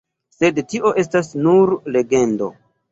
Sed tio estas nur legendo.